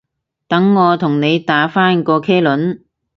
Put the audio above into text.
等我同你打返個茄輪